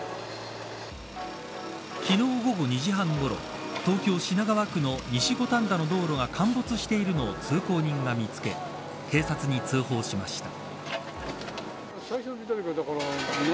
昨日午後２時半ごろ東京、品川区の西五反田の道路が陥没しているのを通行人が見つけ警察に通報しました。